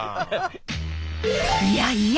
いやいや！